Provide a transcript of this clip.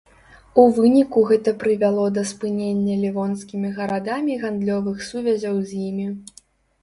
У выніку гэта прывяло да спынення лівонскімі гарадамі гандлёвых сувязяў з імі.